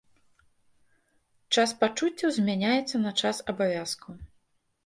Час пачуццяў змяняецца на час абавязкаў.